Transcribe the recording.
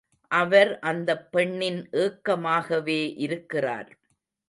அவர் அந்தப் பெண்ணின் ஏக்கமாகவே இருக்கிறார்.